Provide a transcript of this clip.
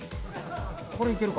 これ、いけるか？